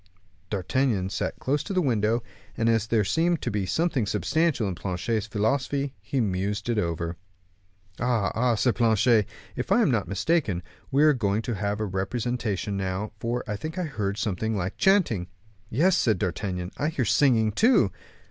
D'Artagnan sat down close to the window, and as there seemed to be something substantial in Planchet's philosophy, he mused over it. "Ah, ah!" exclaimed Planchet, "if I am not mistaken, we are going to have a representation now, for I think I heard something like chanting." "Yes," said D'Artagnan, "I hear singing too."